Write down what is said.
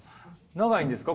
長いんですか？